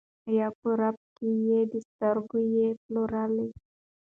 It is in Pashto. یا په رپ کي یې د سترګو یې پلورلی